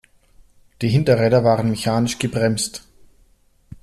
Die Hinterräder waren mechanisch gebremst.